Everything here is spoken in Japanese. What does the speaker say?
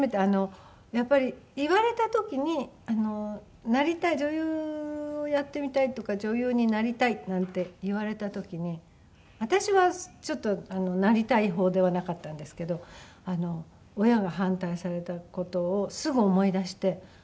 やっぱり言われた時に「女優をやってみたい」とか「女優になりたい」なんて言われた時に私はちょっとなりたい方ではなかったんですけど親に反対された事をすぐ思い出して。